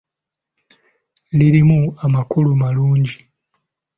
Lirimu amakulu malungi.